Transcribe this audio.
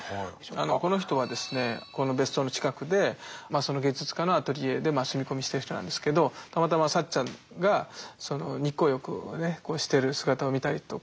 この人はですねこの別荘の近くで芸術家のアトリエで住み込みしてる人なんですけどたまたまサッチャンがその日光浴をねしてる姿を見たりとか。